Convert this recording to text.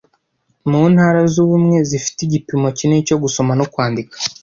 Mu Ntara z’Ubumwe zifite igipimo kinini cyo gusoma no kwandika